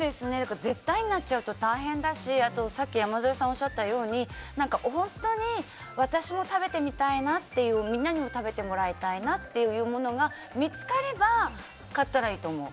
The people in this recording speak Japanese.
絶対になっちゃうと大変だし山添さんがおっしゃったように本当に私も食べてみたいな皆にも食べてもらいたいなというものが見つかれば買ったらいいと思う。